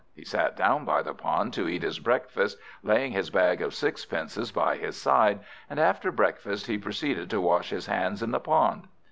He sat down by the pond to eat his breakfast, laying his bag of sixpences by his side; and after breakfast, he proceeded to wash his hands in the pond.